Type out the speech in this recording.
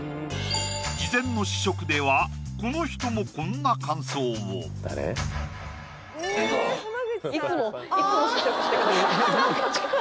事前の試食ではこの人もこんな感想をあ濱口君！